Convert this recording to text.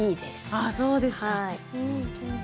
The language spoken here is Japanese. あそうですか。